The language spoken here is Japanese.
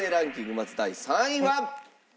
まず第３位は。